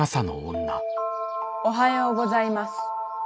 おはようございます。